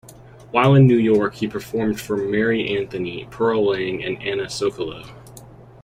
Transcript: While in New York he performed for Mary Anthony, Pearl Lang, and Anna Sokolow.